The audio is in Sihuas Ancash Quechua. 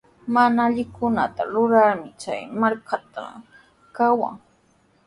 Mana allikunata rurarmi chay markatraw kawan.